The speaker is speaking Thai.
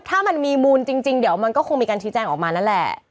ถ้ามีมูลจริงมันก็คงจะเป็นการที่แจ้งออกมาน่ะล่ะ